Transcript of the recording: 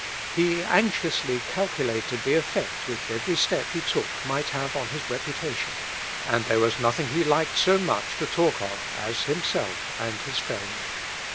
He anxiously calculated the effect which every step he took might have on his reputation, and there was nothing he liked so much to talk of as himself and his fame.